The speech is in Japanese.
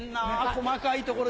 細かいところ。